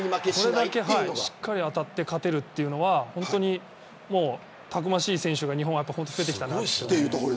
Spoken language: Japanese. これだけしっかり当たって勝てるというのはたくましい選手が日本は増えてきたなと。